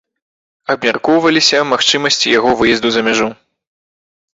Абмяркоўваліся магчымасці яго выезду за мяжу.